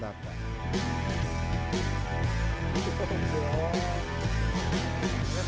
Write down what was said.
tidak ada yang bisa dipercaya